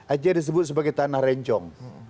aceh disebut sebagai tanah rencong